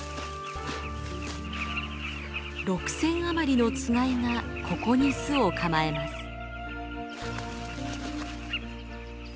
６，０００余りのつがいがここに巣を構えます。